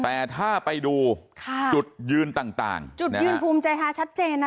แต่ถ้าไปดูค่ะจุดยืนต่างจุดยืนภูมิใจไทยชัดเจนนะ